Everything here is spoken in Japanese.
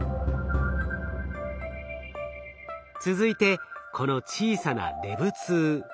続いてこの小さなＬＥＶ−２。